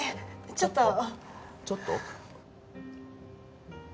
ちょっとちょっと？